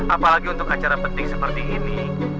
apalagi untuk acara penting seperti ini